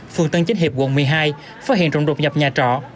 phường tân chánh hiệp quận một mươi hai phát hiện rộng rộng nhập nhà trọ